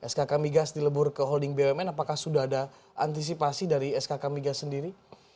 skk migas dilebur ke holding bumn apakah sudah ada antisipasi dari skk migas sendiri